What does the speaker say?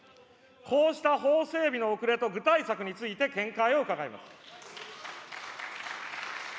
こうした法整備の遅れと具体策について見解を伺います。